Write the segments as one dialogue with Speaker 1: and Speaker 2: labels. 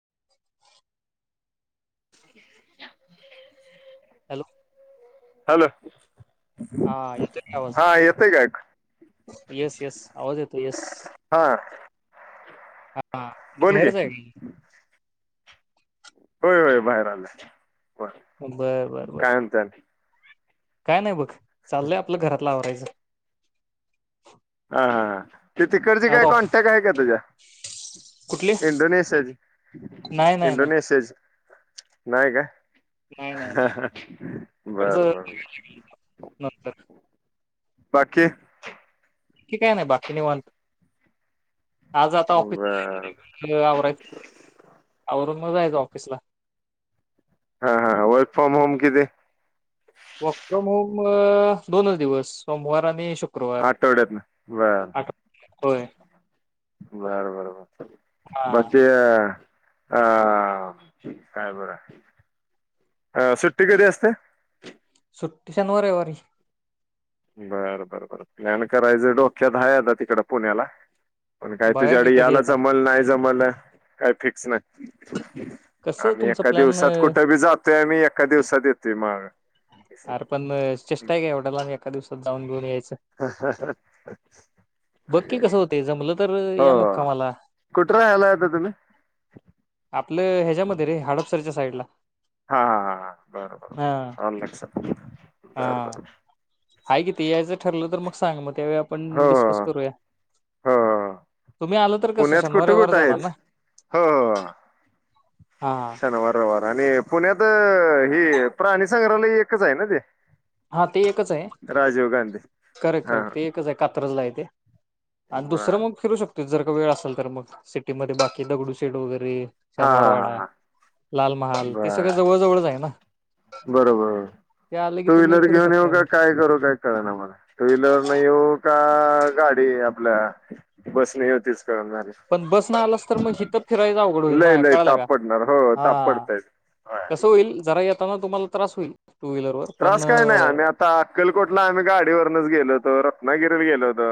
Speaker 1: [unintelligible]
Speaker 2: [inaudible]
Speaker 1: Hello
Speaker 2: hello
Speaker 1: हा येतोय काय आवाज
Speaker 2: हा येतय काय
Speaker 1: यस यस आवाज येतोय यस
Speaker 2: हा बोल की
Speaker 1: आहे
Speaker 2: होय होय बाहेर आल
Speaker 1: बर बर बर. काय नाही बघ चाललंय आप लं घरातला आवरायचं
Speaker 2: हा हा की तिकडची
Speaker 1: आज
Speaker 2: काय
Speaker 1: ऑफ
Speaker 2: कॉन्टॅक्ट हाय काय तुझ्या
Speaker 1: कुठली
Speaker 2: इंडोनेशियाचे,
Speaker 1: नाही नाही नाही
Speaker 2: इंडोनेशियाचे. नाय काय?
Speaker 1: नाही नाही
Speaker 2: बर
Speaker 1: तिकडचं
Speaker 2: बर.
Speaker 1: नंतर
Speaker 2: बाकी?
Speaker 1: ठीकय ना बाकी निवांत. आज आता ऑफिस
Speaker 2: बर
Speaker 1: [unintelligible] मग आवरायचं [unintelligible] आवरून म जायचं ऑफिसला
Speaker 2: हा हा. वर्क फ्रॉम होम किती?
Speaker 1: वक फ्रॉम होम दोनच दिवस सोमवार आणि श
Speaker 2: आठवड्यातनं बर
Speaker 1: होय
Speaker 2: बर बर बर
Speaker 1: हा
Speaker 2: म ते अ काय बर सुट्टी कधी असते?
Speaker 1: सुट्टी शनवार रविवारी.
Speaker 2: बर बर बर प्लॅन करायच डोक्यात हाय आता तिकडं पुण्याला पण काय
Speaker 1: बघा
Speaker 2: तुझ्याकड
Speaker 1: की कधी
Speaker 2: याला
Speaker 1: येत आहे
Speaker 2: जमल नाही जमल काय फिक्स नाय.
Speaker 1: कसं
Speaker 2: आम्ही
Speaker 1: तुमचं
Speaker 2: एका
Speaker 1: प्लॅन
Speaker 2: दिवसात कुठं बी जातोय आणि एका दिवसात येत ते मग
Speaker 1: अरे पण चेष्टा हाय काय एवढ्या लांब एका दिवस सतावुन घेउन याच बघ की कस हुतय जमलं तर
Speaker 2: हो
Speaker 1: या मुक्कामाला,
Speaker 2: कुठं राहायला आता तुम्ही?
Speaker 1: आपलं ह्याच्यामध्ये रे हाडपसरच्या साईड ला
Speaker 2: हा हा हा. बर बर ऑनलाइन [unintelligible]
Speaker 1: हाय की ती यायचं ठरल तर मग सांग मग त्यावेळी आपण
Speaker 2: हो
Speaker 1: डिसकस करूया.
Speaker 2: हो
Speaker 1: तुम्ही आलं तर कसं
Speaker 2: पुण्यात
Speaker 1: शनिवार
Speaker 2: कुठं
Speaker 1: रविवारच
Speaker 2: कुठं
Speaker 1: येणार ना
Speaker 2: हाइस? ह अ आ
Speaker 1: हा
Speaker 2: शनिवार, रविवार आणि पुण्यात अ हे प्राणी संग्रहालय एकचं हाय ना ते?
Speaker 1: हा ते एकचं हाय
Speaker 2: राजीव गांधी
Speaker 1: करेक्ट
Speaker 2: हा
Speaker 1: करेक्ट ते एकचं हाय कात्रज ला हाय. ते आणि दुसरं
Speaker 2: बर
Speaker 1: मग फिरू शकतो जर का वेळ असेल तर, मग सिटी मध्ये बाकी दगडू सेड वगैरे रे
Speaker 2: हा
Speaker 1: शनिवार
Speaker 2: हा
Speaker 1: वाडा,
Speaker 2: हा
Speaker 1: लाल महाल हे
Speaker 2: बर
Speaker 1: सगळं जवळ जवळचं हाय ना
Speaker 2: बरोबर
Speaker 1: ते आल की
Speaker 2: टू
Speaker 1: तुम्ही
Speaker 2: व्हीलर
Speaker 1: फिरू
Speaker 2: घेऊन येऊ
Speaker 1: शकताय
Speaker 2: का
Speaker 1: मग
Speaker 2: काय करू काय कळना मला टू व्हीलरनं येऊ का? गाडी आपल्या बसने येऊ तेच
Speaker 1: पण बस न आलास तर मग हितं फिरायलाच अव
Speaker 2: लय लय ताप पडणार हो हो ताप पडतोय, होय.
Speaker 1: तवा तुम्हाला त्रास होईल. टू व्हीलरवर पण
Speaker 2: त्रास काय नाही आम्ही आता अक्कलकोटला आम्ही गाडीवरनच गेलो होतो रत्नागिरी ला गेलो होतो.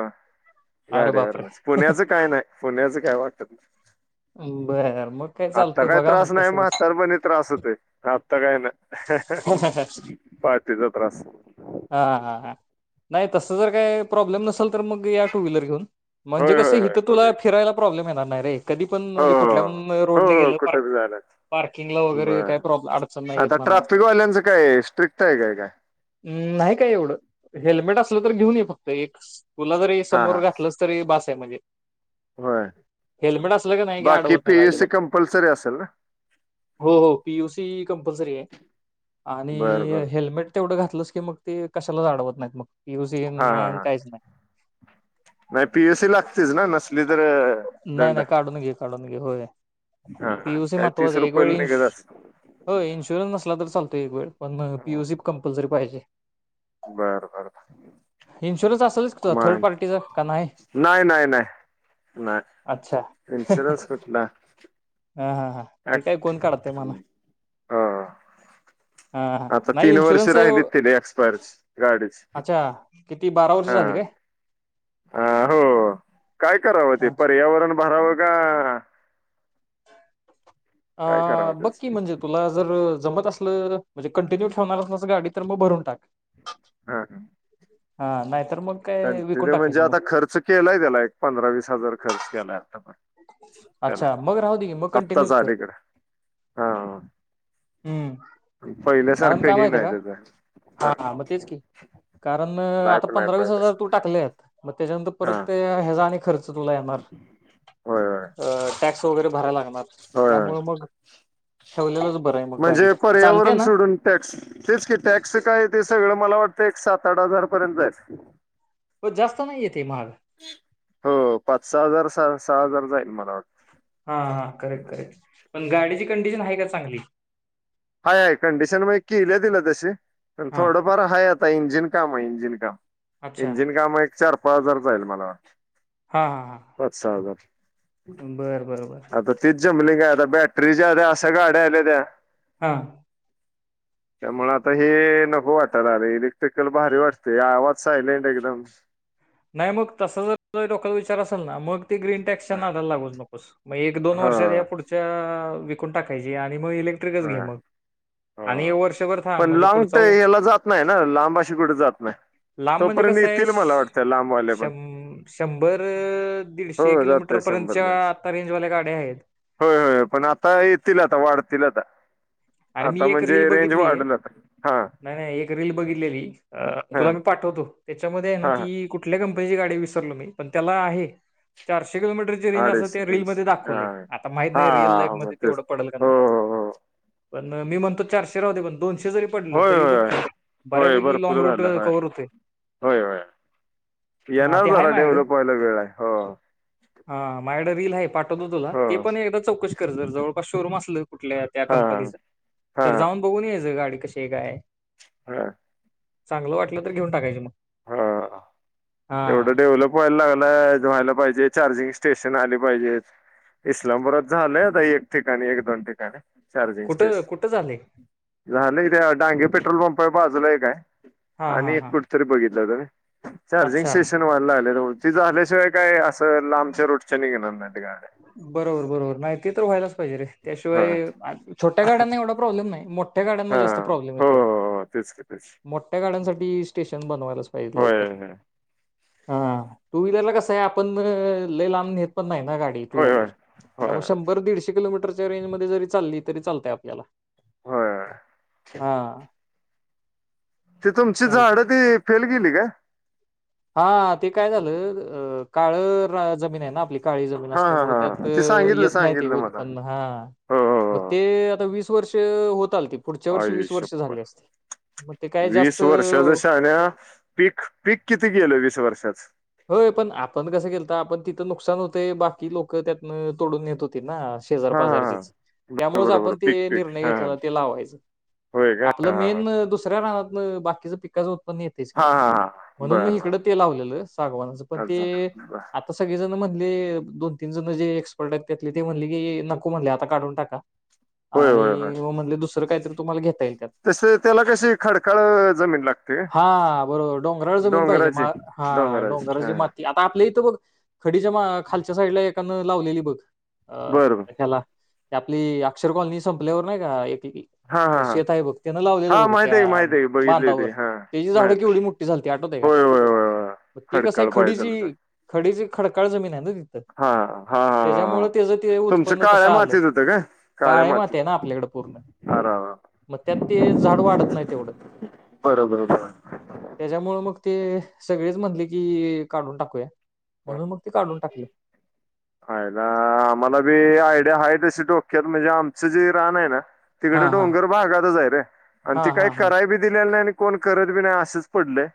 Speaker 1: अरे बापरे
Speaker 2: गाडीवरनच पुण्याचं काय नाही, पुण्याचं काय वा [inaudible]
Speaker 1: बर मग काय
Speaker 2: आत्ता
Speaker 1: चालतंय
Speaker 2: काय
Speaker 1: बघा मग
Speaker 2: त्रास नाही
Speaker 1: कसं कसं
Speaker 2: म्हातारपणी त्रास हुतंय आत्ता काय नाही. [inaudible] पाठीचा त्रास.
Speaker 1: हां हां हां नाही तसं जर काही प्रॉब्लेम नसल तर मग या टू व्हीलर घेऊन म्हणजे
Speaker 2: होय होय
Speaker 1: कसं
Speaker 2: होय
Speaker 1: तुला
Speaker 2: ओके
Speaker 1: इथं फिरायला प्रॉब्लेम येणार नाही. रे कधी पण
Speaker 2: हो
Speaker 1: म्हणजे
Speaker 2: हो
Speaker 1: कुठल्या
Speaker 2: हो
Speaker 1: रोडने
Speaker 2: हो
Speaker 1: गेलं पार
Speaker 2: कुठं बी झालं
Speaker 1: पार्किंगला वगैरे
Speaker 2: बर
Speaker 1: काही प्रॉब्ल अडचण नाही येत
Speaker 2: आता
Speaker 1: म्हणा.
Speaker 2: ट्रॅफिकवाल्यांचं काय स्ट्रिक्ट आहे काय काय
Speaker 1: नाही काय एवढं हेल्मेट अस तर घेऊन ये फक्त एक. तुला जरी
Speaker 2: हा
Speaker 1: समोर
Speaker 2: हा
Speaker 1: घातलंच तरी बास. ते म्हणजे.
Speaker 2: होय
Speaker 1: हेल्मेट असलं का नाही
Speaker 2: बाकी
Speaker 1: आडवत नाही
Speaker 2: पीयूसी
Speaker 1: आजिबात,
Speaker 2: कंपल्सरी असेल ना
Speaker 1: हो पीयुसी कंपल्सरी आहे. आणि
Speaker 2: बरं बर
Speaker 1: हेल्मेट तेवढं घात की मग ते कशालाच आडवत नाहीत मग. युज ही
Speaker 2: हा
Speaker 1: नाही
Speaker 2: हा
Speaker 1: अन्
Speaker 2: हा
Speaker 1: काहीच नाही.
Speaker 2: नाही पीएससी लागतेच ना नसली तर
Speaker 1: नाही नाही
Speaker 2: दंड
Speaker 1: नाही काढून घे काढून घे होय
Speaker 2: हाय
Speaker 1: पीयूसी
Speaker 2: काही तीस
Speaker 1: महत्वाचं आहे एक वेळ
Speaker 2: रुपयेला
Speaker 1: इन्श
Speaker 2: निघत अस
Speaker 1: हो इन्शुरन्स [inaudible] पण पीयूसी कंपल्सरी पाहिजे.
Speaker 2: बर बर
Speaker 1: इन्शुरन्स असेलच थर्ड
Speaker 2: मग्
Speaker 1: पार्टीचा का नाही
Speaker 2: नाही नाही नाही
Speaker 1: अच्छा
Speaker 2: नाही इन्शुरन्स कुठला.
Speaker 1: हा हा हा ते काय कोण काढतय
Speaker 2: हो
Speaker 1: म्हणा हा हा
Speaker 2: आता
Speaker 1: नाही
Speaker 2: तीन वर्ष
Speaker 1: इन्शुरन्स
Speaker 2: राहिली तिला एक्सपायरची गाडीची
Speaker 1: अच्छा किती बारा वर्ष झाली काय
Speaker 2: हा हो काय करावं ती
Speaker 1: अच्छा
Speaker 2: पर्यावरण भरावं का
Speaker 1: अ
Speaker 2: काय करावं
Speaker 1: बघ
Speaker 2: त्याच
Speaker 1: की म्हणजे तुला जर जमत असलं म्हणजे कंटिन्यू ठेवणार असणारासा गाडी तर मग भरून टाक.
Speaker 2: हा हा
Speaker 1: हा नाही
Speaker 2: कंटिन्यू म्हणजे आता खर्च केलाय त्याला एक पंधरा वीस हजार खर्च केलाय आता पण. त्याला
Speaker 1: अच्छा मग राहू दे मग
Speaker 2: आत्ताच
Speaker 1: कंटिन्यूच कर
Speaker 2: अलीकडे हा
Speaker 1: हम हा कारण
Speaker 2: पहिल्यासारखं
Speaker 1: का
Speaker 2: हे
Speaker 1: माहिती
Speaker 2: नाही
Speaker 1: आहे
Speaker 2: त्याच ह
Speaker 1: का हा मग तेच की कारण आता
Speaker 2: लाईफ
Speaker 1: पं
Speaker 2: नाही पहिल्यास
Speaker 1: तु टाकल्यात मग त्याच्यानंतर परत
Speaker 2: हा
Speaker 1: ते ह्याचा आणि खर् तुला नाय येणार.
Speaker 2: होय होय
Speaker 1: अ टॅक्स वगैरे भरायला लागना
Speaker 2: होय
Speaker 1: ठेवलेलंच बरं आहे मग गाडी
Speaker 2: म्हणजे
Speaker 1: चालते
Speaker 2: पर्यावरण
Speaker 1: ना
Speaker 2: सोडून टॅक्स तेच की टॅक्स काय ते सगळं मला वाटतं एक सात आठ हजार पर्यंत जाईल.
Speaker 1: प जास्त नाही येत. ते महाग
Speaker 2: हो पाच सहा हजार सहा सहा हजार जाईल मला वाट
Speaker 1: हा हा करेक्ट करेक्ट पण गाडीची कंडिशन आहे का चांगली?
Speaker 2: हाय हाय कंडिशन मग केल्या तिला तशी. पण
Speaker 1: हा
Speaker 2: थोडंफार हाय ता इंजिन काम हाय इंजिन काम्
Speaker 1: अच्छा
Speaker 2: इंजिन काम हाय एक चार पाच हजार जाईल मला वाट पाच सहा हजार.
Speaker 1: बर, बरं, बर.
Speaker 2: जिमनिग हाय आता बॅटरी च्या अशा गाड्या आल्याता.
Speaker 1: हा.
Speaker 2: त्यामुळे आता हे नको वाटालागलय इलेक्ट्रिकल भारी वाटतय आवाज सायलेंट एकदम.
Speaker 1: नाही मग तसा जर डोक्यात विचार असेल ना मग. ग्रीन टॅक्सच्या
Speaker 2: हा
Speaker 1: नादाला लागू नकोस. मग एक दोन
Speaker 2: हा
Speaker 1: वर्षात या पुढच्या. विकून टाकायचीे. आणि मग इलेक्ट्रिकच
Speaker 2: हा
Speaker 1: घे मग. आणि हे वर्षभर थांब
Speaker 2: पण
Speaker 1: म्हणजे
Speaker 2: लॉन्ग
Speaker 1: पुढचा
Speaker 2: तर
Speaker 1: उ-
Speaker 2: याला जात नाही ना, लांब अशी कुठे जात नाही,
Speaker 1: लांब म्हणजे
Speaker 2: तोपर्यंत
Speaker 1: कसं आहे
Speaker 2: येतील मला
Speaker 1: श-
Speaker 2: वाटतं. लांबवाले पण
Speaker 1: शं शंभर, दीडशे
Speaker 2: हो
Speaker 1: किलोमीटर
Speaker 2: जाते शंभर
Speaker 1: पर्यंतच्या
Speaker 2: गज
Speaker 1: आता रेंजवाल्या गाड्या आहेत.
Speaker 2: होय होय पण आता आता वाढतील येतील आता
Speaker 1: अरे मी एक रील बघि
Speaker 2: ते वाढल आता हां
Speaker 1: दिलेली हं
Speaker 2: हां
Speaker 1: तुला मी पाठवतो. त्याच्यामध्ये हाय ना
Speaker 2: हां
Speaker 1: ती कुठल्या कम्प पहिली गाडी विसरलो मी. पण त्याला आहे, चार किती किलोमीटरची रेंज आसल
Speaker 2: अडीचशे
Speaker 1: ते रीलमध्ये
Speaker 2: तीनशे
Speaker 1: दाखवलय.
Speaker 2: हां
Speaker 1: आता माहित नाही रिअल लाईफ
Speaker 2: हां मग
Speaker 1: मध्ये
Speaker 2: तेच
Speaker 1: तेवढं पडल का
Speaker 2: हो
Speaker 1: नाही?
Speaker 2: हो हो
Speaker 1: म मी म्हणतो चारशे राहूदे पण दोनशे जरी पडल
Speaker 2: होय
Speaker 1: तरी
Speaker 2: होय
Speaker 1: बकळ,
Speaker 2: होय
Speaker 1: बऱ्यापैकी लाँग
Speaker 2: भरपूर
Speaker 1: रूट
Speaker 2: झालं होय
Speaker 1: कव्हर होतय
Speaker 2: होय होय येणार
Speaker 1: ते हाय
Speaker 2: जरा
Speaker 1: माझ्याकडं.
Speaker 2: डेव्हलप व्हायला वेळ आहे हो
Speaker 1: हां माझ्याकड रील आहे पाठ वतो तुला,
Speaker 2: हो
Speaker 1: ते पण एकदा चौकशी कर जर जवळपास शोरूम आसलं कुठल्या त्या
Speaker 2: हा
Speaker 1: कंप कंपनीचं हाय तर जाऊन बघून यायचं गाडी कशी काय?
Speaker 2: हां.
Speaker 1: चांगलं वाटलं तर घेऊन टाका कि म
Speaker 2: हा हा तेवढं डेव्हलप व्हायला लाग व्हायला पाहिजे चार्जिंग स्टेशन आली पाहिजेत, इस्लामपुरात झालंय आता एक ठिकाणी एक- दोन ठिकाणी चार्जिंग
Speaker 1: कुठं कुठं झाले
Speaker 2: स्टेशन झालयं, त्या डांगे पेट्रोल पंप पर बाजूला एक हाय
Speaker 1: हा हा
Speaker 2: आणि
Speaker 1: हा
Speaker 2: कुठ तरी बघीत [unintelligible] चार्जिंग
Speaker 1: अच्छा
Speaker 2: स्टेशन व्हाय लागल्यात ते झाल्याशिवाय काय आस
Speaker 1: बरोबर बरोबर नाही ते तर व्हायलाच पाहिजे रे त्याशिवाय
Speaker 2: होय
Speaker 1: छोट्या गाड्यांना एवढा प्रॉब्लेम नाही मोठ मोठ्या गाड्यांना
Speaker 2: हा
Speaker 1: जास्त प्रॉब्लेम
Speaker 2: हो
Speaker 1: येतोय
Speaker 2: हो हो तेच की तेच
Speaker 1: मोठ्या गाड्यांसाठी स्टे तेन बनवा [unintelligible]
Speaker 2: होय
Speaker 1: लवकर
Speaker 2: होय
Speaker 1: हा टू व्हीलरला कसं आहे आपण म लई लांब नेत पण नाही ना गाडी टू व्हिलर
Speaker 2: होय होय
Speaker 1: त्यामुळं शंभर दीडशे किलो मीटर रेंज मध्ये जरी चालली तरी चालतय आपल्याला
Speaker 2: होय होय.
Speaker 1: हा
Speaker 2: ते तुमची
Speaker 1: चाल
Speaker 2: झाड ती फेल गेली काय?
Speaker 1: हा ते काय झालं काळं जमीन आहे ना आपली काळी जमीन
Speaker 2: हा हा
Speaker 1: असल्यामुळे त्यात
Speaker 2: हा ती सांगितलं
Speaker 1: येत नाही ते
Speaker 2: सांगितलं मला
Speaker 1: उत्पन्न हा
Speaker 2: हो हो
Speaker 1: मते आता वीस वर्ष हो
Speaker 2: आयशपर
Speaker 1: मग ते काय जास्त
Speaker 2: वीस वर्षाच शान्या पीक पीक किती गेलं वीस वर्षाचं?
Speaker 1: होय पण आपण कसं केल तर आपण तिथं नुकसान होते बाकी लोक त्यातन तोडून न्हेत होते ना. शेजार
Speaker 2: हा हा
Speaker 1: पाजारचीच
Speaker 2: हा
Speaker 1: त्यामुळेच
Speaker 2: बरोबर
Speaker 1: आपण
Speaker 2: पीक
Speaker 1: ते
Speaker 2: पीक
Speaker 1: निर्णय
Speaker 2: हा
Speaker 1: घेतलेला ते लावायच
Speaker 2: होय का
Speaker 1: आपलं
Speaker 2: हा
Speaker 1: मेन
Speaker 2: हा
Speaker 1: दुसऱ्या रानात म बाकीचं पिकाचं उत्प पण येतेच की,
Speaker 2: हा हा हा
Speaker 1: म्हणून मग
Speaker 2: बर
Speaker 1: इकडं
Speaker 2: बर
Speaker 1: ते लावलेलं. सागवानाच पण ते
Speaker 2: अच्छा बर
Speaker 1: आता सगळेजण म्हणले दोन तीन जण जे एक्सपर्ट आहेत त्यातले ते म्हणले की नको म्हणले आता काढून टाका.
Speaker 2: होय होय होय
Speaker 1: आणि म्हणले दुसरं काहीतरी तुम्हाला घेता येईल त्यात
Speaker 2: तसे त्याला कशी खडकाळ जमीन लागते का?
Speaker 1: हा बरोबर डोंगराळ जमीन पाहिजे
Speaker 2: डोंगराची
Speaker 1: हा. डोंगराची माती आता आपल्या इथं बग खडीच्या खालच्या साईडला एकानं लावलेली बघ. अ
Speaker 2: बर बर
Speaker 1: हेला ते आपली अक्षर कॉलनी संपल्यावर नाही का एक
Speaker 2: हा हा
Speaker 1: ते
Speaker 2: हा
Speaker 1: शेत आहे बघ त्यान लावलेलं
Speaker 2: हा
Speaker 1: बघ
Speaker 2: माहिती आहे की
Speaker 1: त्या
Speaker 2: माहिती आहे की बघितली
Speaker 1: बांधावर
Speaker 2: होती हा
Speaker 1: त्याची झाडं
Speaker 2: माहित आहे.
Speaker 1: केवढी मोठी झालती आठवतय का?
Speaker 2: होय होय होय होय
Speaker 1: ते कस आहे
Speaker 2: खडकाळ
Speaker 1: खडीची
Speaker 2: पायदल हा
Speaker 1: खडीज खडकाळ जमीन आहे.
Speaker 2: हा हा हा
Speaker 1: त्याच्यामुळे
Speaker 2: हा
Speaker 1: त्याच ते
Speaker 2: तुमचं
Speaker 1: उत्पन्न तसं
Speaker 2: काळ्या
Speaker 1: आलं
Speaker 2: मातीत होतं काय काळ्या
Speaker 1: काळे
Speaker 2: मातीत
Speaker 1: माती आहे ना आपल्याकडे पूर्ण
Speaker 2: अर अर
Speaker 1: मग त्यात ते झाड वाढत नाही तेवढं
Speaker 2: बरोबर बर
Speaker 1: त्याच्यामुळ मग ते सगळेच म्हणले की काढून टाकूया. म्हणून मग ते काढून टाकले.
Speaker 2: आईला आम्हाला बी आयडिया ह तशी डोक्यात म्हणजे आमचं जे रान आहे ना. तिकडे
Speaker 1: हां, हां.
Speaker 2: डोंगर भागातच आहे रे आणि ती
Speaker 1: हां,
Speaker 2: काही
Speaker 1: हां, हां.
Speaker 2: कराय बी दिलेला नाही आणि कोण करत बी नाही असंच पडलं‌‌.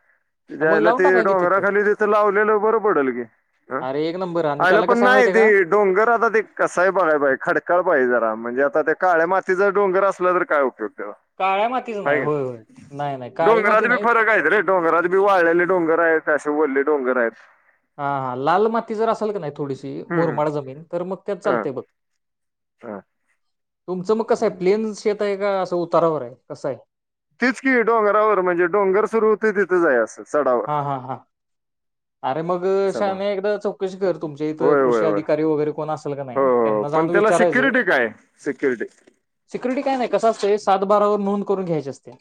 Speaker 1: मग
Speaker 2: चायला
Speaker 1: लावून
Speaker 2: ते
Speaker 1: टाका की
Speaker 2: डोंगराखाली तिथं लावलेलं बरं पडेल की अ
Speaker 1: अरे एक नंबर आणि
Speaker 2: आईला
Speaker 1: त्याला कसं आहे
Speaker 2: नाही
Speaker 1: माहिती आहे
Speaker 2: ती
Speaker 1: का?
Speaker 2: डोंगर आता ते कसाहाय बघाय पाहि खडकाळ पाहिज जरा मग म्हणजे आता ते काळ्या मातीचा डोंगर असलं तर काय उपयोगी.
Speaker 1: काळ्या मातीच नाही.
Speaker 2: आहेे
Speaker 1: होय, होय. नाही, नाही. काळी
Speaker 2: डोंगराच
Speaker 1: माती
Speaker 2: बी
Speaker 1: नाही.
Speaker 2: फरक आहेयत रे डोंगरात बी वाळलेले डोंगरा आहे फॅ वले डोंगर आहेत
Speaker 1: हा हा लाल माती जर असेल का नाही थोडीशी
Speaker 2: हम्म, हम्म.
Speaker 1: मुरमाड जमीन. तर मग
Speaker 2: हा,
Speaker 1: चालतंय बघ
Speaker 2: हा
Speaker 1: तुमचं मग कस आहे
Speaker 2: हम्म.
Speaker 1: प्लेन शेत का असं उतारावर आहे. कसं आहे?
Speaker 2: तेच की डोंगरावर म्हणजे डोंगर सुरू होतं, तिथंच हाय असं चढावर
Speaker 1: हा हा हा अरे मग
Speaker 2: चढाव
Speaker 1: शाने एकदा चौकशी कर तुमचे इथं
Speaker 2: होय होय
Speaker 1: कृषी
Speaker 2: होय
Speaker 1: अधिकारी वगैरे कोण असेल का
Speaker 2: हो
Speaker 1: नाही,
Speaker 2: हो
Speaker 1: त्यांना
Speaker 2: पण
Speaker 1: जाऊन
Speaker 2: त्याला
Speaker 1: विचारायचं
Speaker 2: सिक्युरिटी काय सिक्युरिटी
Speaker 1: सिक्युरिटी काय नाही कस असत सात बारावर नोंद करून घ्याची असत्या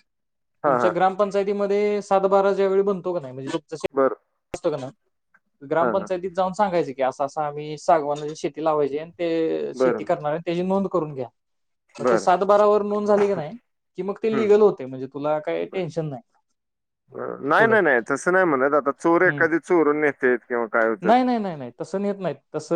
Speaker 2: हां
Speaker 1: तुमच्या
Speaker 2: हां
Speaker 1: ग्रामपंचायती मध्ये सात बारा ज्यावेळी बनतो का नाही, म्हण
Speaker 2: बरं
Speaker 1: आसतो का नई
Speaker 2: हां हां
Speaker 1: ग्रामपंचायतीत जाऊन सांगायचं की अस असं आम्ही सागवाणाची शेती लावयची हाय ते शेती
Speaker 2: बरं
Speaker 1: करणार आहे तेजी नोंद म्हणून करून घ्या तर ते
Speaker 2: बरं
Speaker 1: सात बारा वर नोंद झाली की नाही कि मग ते
Speaker 2: हम्म,
Speaker 1: लिगल होतय म्हणजे तुला काय
Speaker 2: बरं
Speaker 1: टेन्शन नाही
Speaker 2: बरं. नाही
Speaker 1: पुढ
Speaker 2: नाही नाही तसं नाही म्हणत आता चोर
Speaker 1: हम्
Speaker 2: एखादी चोरून नेतेत किंवा काय होतात
Speaker 1: नाही नाही नाही नाही तसं नेत नाही तस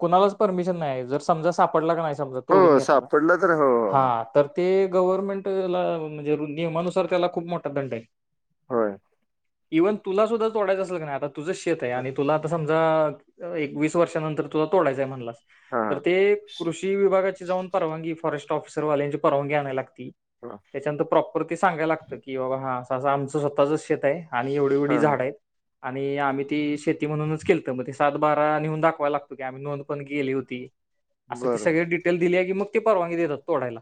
Speaker 1: कुणालाच परमिशन नाही जर समा सापडला का नाही तोडून
Speaker 2: हो
Speaker 1: न्हेतना
Speaker 2: सापडलं तर हो हो.
Speaker 1: ह ते गव्हर्नमेंट ला म्हणजे नियमानुसार त्याला खूप मोठा दंड आहे
Speaker 2: हो
Speaker 1: इवन तुला सुद्धा सोडायचं असल क नाय आता तू तुझच शेत आहे
Speaker 2: हां
Speaker 1: आणि तुला आता समजा आता तु एक वीस वर्षानंतर तुझला तोडायचंय हाय म्हणला तर
Speaker 2: हां
Speaker 1: ते कृषी विभागाची जाऊन परवानगी फॉरेस्ट ऑफसरवाल्यांची परवानगी आणायला लगत्या त्याच्यानंतर प्रॉपर ते सांगायला लागत कि बाबा हा आमच स्वतःच शेत आहे आणि एवढ ए वढ
Speaker 2: हां हां
Speaker 1: झाड आहेत आणि आम्ही ती शेती म्हणूनच केलत मग ते सात बारा नेऊून दाखवा लागतो की आम्ही नोंद पण गेली होती असं ती
Speaker 2: बरोबर
Speaker 1: सगळी डिटेल दिली आणि मग. ते परवानगी देतात तोडायला.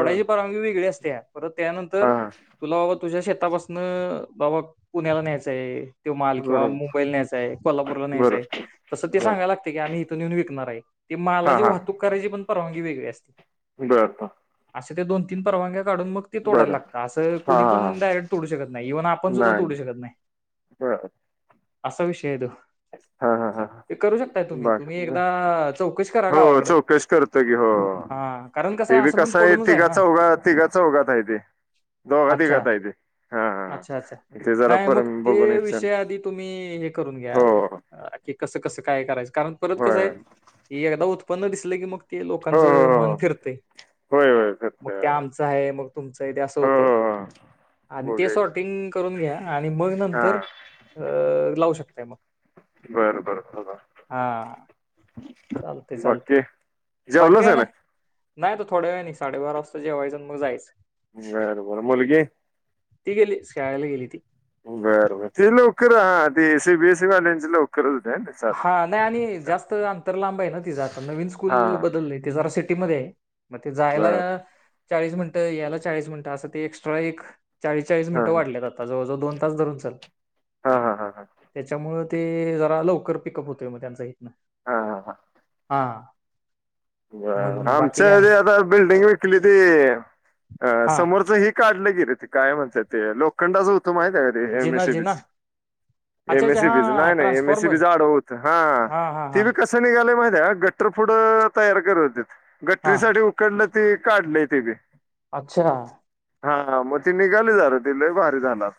Speaker 2: हां
Speaker 1: परवानगी वेगळी असते. त्या. परत त्यानंतर
Speaker 2: हां
Speaker 1: तुला बाबा. तुझ्या शेतापासन बाबा. पुण्याला न्यायचंय. तो माल किंवा
Speaker 2: बरोबर
Speaker 1: मुंईला न्यायचाय, कोल्हापूरला
Speaker 2: बरं
Speaker 1: न्यायचाय ते
Speaker 2: बर
Speaker 1: सांगायला लागते की आम्ही इथून येऊन विकणार आहे, ते मालाची वाहूक करायची प परवानगी. ती वेगळे असते.
Speaker 2: बर, बर.
Speaker 1: असे ते दोन-तीन परवानग्यात. काढून मग ते तोडायला
Speaker 2: बरं
Speaker 1: लागत, अस
Speaker 2: हां
Speaker 1: कोणी पण डायरेट तोडू शकत नाही, येऊन आपण सुद्धा. तोडू शकत नाही.
Speaker 2: बर.
Speaker 1: असा विषय हाय तो.
Speaker 2: हा, हा, हा,
Speaker 1: ते करू शकताय तुम्ही तुम्ही
Speaker 2: बाकी काय
Speaker 1: एकदा चौकशी करा
Speaker 2: हो
Speaker 1: गावाकडं.
Speaker 2: चौकशी करतो, की,
Speaker 1: हा कारण
Speaker 2: हो, ते बी
Speaker 1: असं पण
Speaker 2: कसं आहे
Speaker 1: पडूनच ना.
Speaker 2: तिघा-चौघात, तिघा-चौघात हाय ते,
Speaker 1: अच्छा
Speaker 2: दोघा-तिघात आहे ते हा, हा.
Speaker 1: अच्छा अच्छा नाही मग ते विषय आधी तुम्ही हे करून घ्या.
Speaker 2: हो
Speaker 1: की, कसं, कसं. काय करायचं. कारण परत
Speaker 2: होय
Speaker 1: कसं आहे एकदा उत्. उत्पन्न दिसलं की मग. ते
Speaker 2: हो
Speaker 1: लोकांचं
Speaker 2: हो हो
Speaker 1: मन फिरतंय
Speaker 2: होय होय करत
Speaker 1: मग ते आमचं आहे मग. तुमचं इथे असं
Speaker 2: हो
Speaker 1: होते.
Speaker 2: हो हो
Speaker 1: आणि ते
Speaker 2: बघायच
Speaker 1: सॉर्टिंग. करून घ्या आणि मग नंतर
Speaker 2: हां
Speaker 1: अ लावू शकताय मग
Speaker 2: बरं बरं
Speaker 1: हा चालतय चालतय.
Speaker 2: जेवलास काय नाही.
Speaker 1: नाही आता थोड्या वेळाने साडेबारा वाजता जेवायचं मग जायचं.
Speaker 2: बरं बरं मुलगी.
Speaker 1: ती गेली. शाळेला गेली ती.
Speaker 2: बरं ते लवकर हा ते सीबी, एसी वाल्यांची लवकर.
Speaker 1: हा नाही आणि जास्त अंतर लांब आहे ना तिचां आता नवीन
Speaker 2: हा
Speaker 1: स्कूल बदललंय ते जरा से सेफ्टी मध्ये. मग ते जायला
Speaker 2: बर
Speaker 1: या चाळीस मिनटं याला चाळीस मिनटं असं ते एक्स्ट्रा एक चाळीस चाळीस
Speaker 2: हा
Speaker 1: मिनिटं वाढल्यात आता जवळ जवळ दोन तास धरून चल
Speaker 2: हा हा हा हा
Speaker 1: त्याच्यामुळ ते जरा लव कर पिकअप होतय म त्यांचं हितंन
Speaker 2: हा हा हा
Speaker 1: हा
Speaker 2: बर
Speaker 1: म्हणून
Speaker 2: आमच
Speaker 1: बाकी काय
Speaker 2: ते
Speaker 1: नाही
Speaker 2: आता बिल्डिंग वि कली ते, अ
Speaker 1: हा
Speaker 2: समोरचं हे काढलं गेट ते काय म्हणतात ते लोखंडाच हो त माहित आहे का एम एस
Speaker 1: जिना
Speaker 2: सी बी
Speaker 1: जिना
Speaker 2: च
Speaker 1: अच्छा
Speaker 2: एम एस
Speaker 1: अच्छा
Speaker 2: सी बीच
Speaker 1: हा
Speaker 2: नाही नाही एमएसी
Speaker 1: ट्रान्सफॉर्मर
Speaker 2: बीच आडव होत, हा
Speaker 1: हा
Speaker 2: ते
Speaker 1: हा
Speaker 2: बी कस निघाल माहि त्या गटर फुडं तयार कर होत
Speaker 1: हा
Speaker 2: गटरी साठी उकंडलं ते काढलय ते बी.
Speaker 1: अच्छा
Speaker 2: हा हा मग ती निघाली दार ती लय भारी झालं.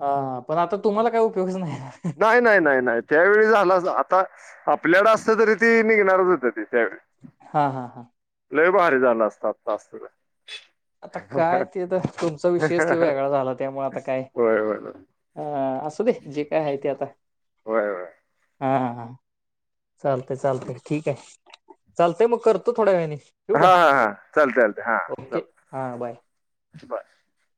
Speaker 1: हा पण आता तुम्हाला काय उपयोगच नाही
Speaker 2: नाही नाही नाही नाही, त्यावेळी झाला आता आपल्याला असत तरी त निघणारच होत ते त्यावेळी,
Speaker 1: हा हा हा
Speaker 2: लय भारी झालं असत आता असतं तर.
Speaker 1: आता काय ते तर तुमचा विषयच तो वेगळा झाला त्यामुळे आता काय,
Speaker 2: होय होय
Speaker 1: अ असुदे जे काय आहे ते आता
Speaker 2: होय होय.
Speaker 1: हा हा. हा चालतय चालतय ठीक आहे. चालतंय मग करतो थोड्या वेळानी,
Speaker 2: हा हा हा चालतयं, चालतयं हा
Speaker 1: ओके हां बाय
Speaker 2: चालतयं बाय!